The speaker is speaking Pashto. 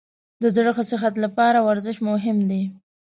د زړه ښه صحت لپاره ورزش مهم دی.